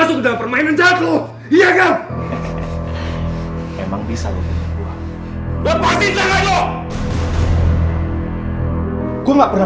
semua orang kenapa